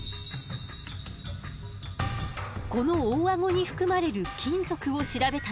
この大アゴに含まれる金属を調べたの。